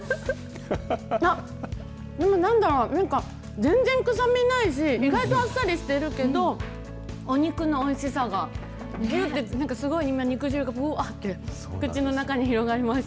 あっ、でもなんだろう、全然臭みないし、意外とあっさりしてるけど、お肉のおいしさがぎゅって、今、すごい肉汁がぶわって、口の中に広がりました。